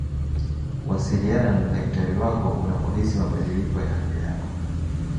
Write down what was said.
wasiliana na dakitari wako unapohisi mabadiliko ya afya yako